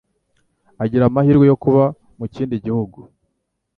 agira amahirwe yo kuba mu kindi gihugu